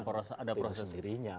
akan ada proses dirinya